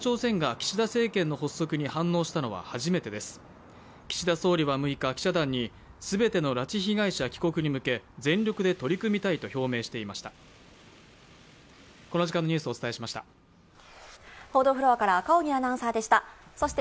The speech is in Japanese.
岸田総理は６日、記者団に全ての拉致被害者帰国に向け全力で取り組みたいと表明していました。